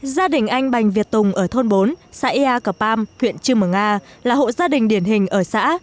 gia đình anh bành việt tùng ở thôn bốn xã ea cờ pam huyện trương mở nga là hộ gia đình điển hình ở xã